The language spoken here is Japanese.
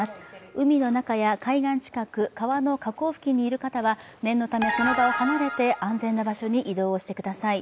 海の中や海岸近く、川の河口付近にいる方は念のため、その場を離れて安全な場所に移動してください。